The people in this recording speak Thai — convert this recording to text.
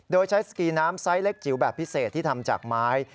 โดยใช้สกีน้ำไซส์เล็กจิ๋วแบบพิเศษที่ทำจากไม้